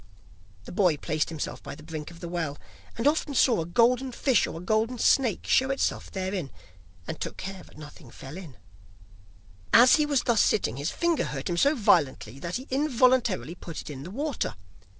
The boy placed himself by the brink of the well, and often saw a golden fish or a golden snake show itself therein, and took care that nothing fell in. As he was thus sitting, his finger hurt him so violently that he involuntarily put it in the water.